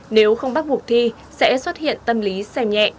nếu không bắt buộc thi sẽ xuất hiện tâm lý xem nhẹ